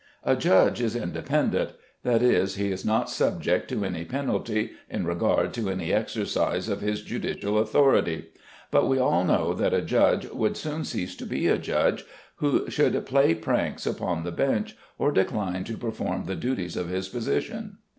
A judge is independent; that is, he is not subject to any penalty in regard to any exercise of his judicial authority; but we all know that a judge would soon cease to be a judge who should play pranks upon the bench, or decline to perform the duties of his position.